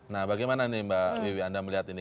nah bagaimana nih mbak wiwi anda melihat ini